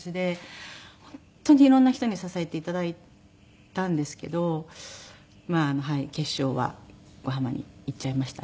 本当に色んな人に支えて頂いたんですけどまあ決勝は横浜に行っちゃいましたね。